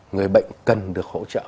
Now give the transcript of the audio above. người bệnh cần được hỗ trợ